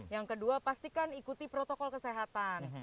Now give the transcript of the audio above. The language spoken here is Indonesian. yang kedua pastikan ikuti protokol kesehatan